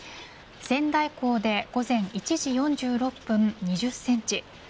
仙台港で午前１時４６分２０センチ